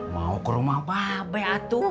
mau ke rumah apa be atu